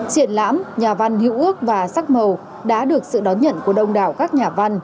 triển lãm nhà văn hữu ước và sắc màu đã được sự đón nhận của đông đảo các nhà văn